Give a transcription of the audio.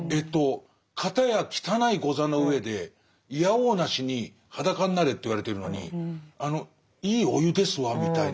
片や汚いござの上でいやおうなしに裸になれって言われてるのにあの「良いお湯ですわ」みたいな。